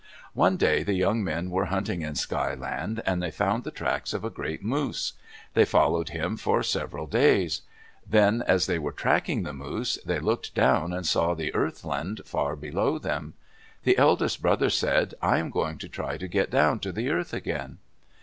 One day the young men were hunting in Sky Land, and they found the tracks of a great moose. They followed him for several days. Then as they were tracking the moose, they looked down and saw the Earth Land far below them. The eldest brother said, "I am going to try to get down to the earth again."